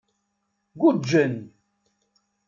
Guǧǧen.